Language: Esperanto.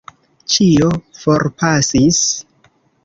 Ĉio forpasis.